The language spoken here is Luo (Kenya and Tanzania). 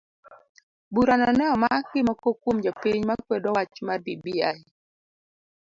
Burano ne omak gi moko kuom jopiny ma kwedo wach mar bbi.